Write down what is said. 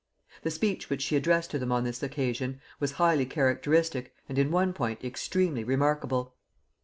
The speech which she addressed to them on this occasion was highly characteristic, and in one point extremely remarkable.